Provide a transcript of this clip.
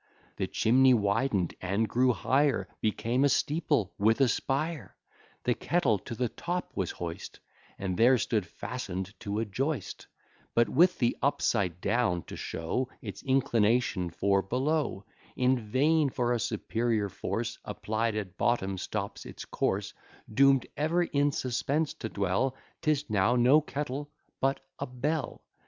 The chimney widen'd, and grew higher, Became a steeple with a spire. The kettle to the top was hoist, And there stood fastened to a joist, But with the upside down, to show Its inclination for below: In vain; for a superior force Applied at bottom stops its course: Doom'd ever in suspense to dwell, 'Tis now no kettle, but a bell.